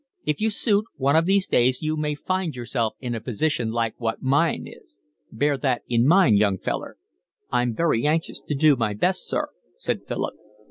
If you suit, one of these days you may find yourself in a position like what mine is. Bear that in mind, young feller." "I'm very anxious to do my best, sir," said Philip.